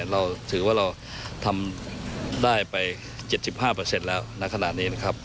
เราถือว่าเราทำได้ไป๗๕แล้วในขณะนี้